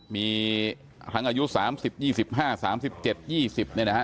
มีทางอายุสามสิบยี่สิบห้าสามสิบเจ็ดยี่สิบเนี่ย่น่ะฮะ